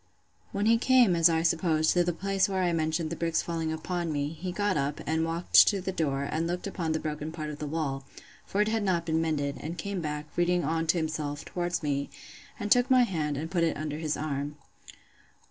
When he came, as I suppose, to the place where I mentioned the bricks falling upon me, he got up, and walked to the door, and looked upon the broken part of the wall; for it had not been mended; and came back, reading on to himself, towards me; and took my hand, and put it under his arm.